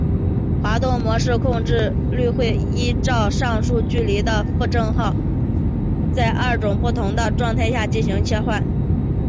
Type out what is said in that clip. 滑动模式控制律会依照上述距离的正负号在二种不同的状态之间进行切换。